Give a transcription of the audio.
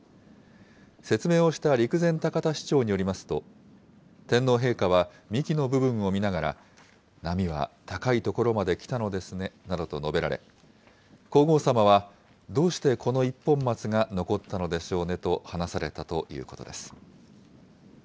説明をした陸前高田市長によりますと、天皇陛下は幹の部分を見ながら、波は高いところまできたのですねなどと述べられ、皇后さまはどうしてこの一本松が残ったのでしょうねと話されたということです。